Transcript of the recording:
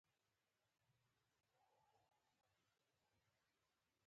په دې وخت کې روښان په نامه حرکت موجود و.